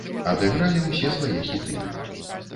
Адыгралі ўсе свае хіты.